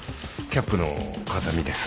キャップの風見です。